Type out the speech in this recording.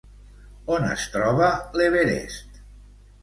On es troba l'Everest?